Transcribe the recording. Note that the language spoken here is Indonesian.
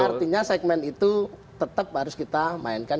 artinya segmen itu tetap harus kita mainkan